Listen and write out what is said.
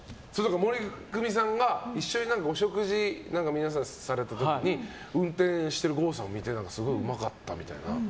モリクミさんが一緒にお食事を皆さんでされた時に運転している郷さんを見てすごいうまかったみたいな。